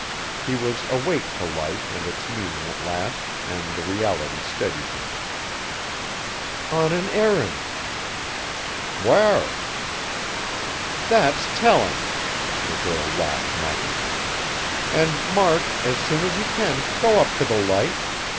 He was awake to life and its meaning at last, and the reality steadied him. "On an errand." "Whar?" "That's telling!" The girl laughed mockingly. "And, Mark, as soon as you can, go up to the Light.